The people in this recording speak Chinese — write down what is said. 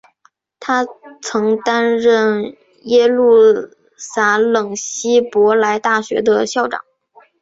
他曾担任耶路撒冷希伯来大学的校长。